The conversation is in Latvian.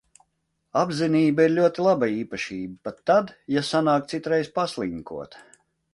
Apzinība ir ļoti laba īpašība pat tad, ja sanāk citreiz paslinkot.